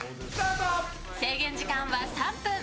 制限時間は３分。